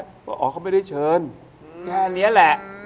บอกว่าเขาไม่ได้เชิญแค่นี้แหละ